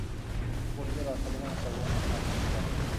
কুকুরদের অসাধারণ শ্রবণ ও ঘ্রাণ শক্তি আছে।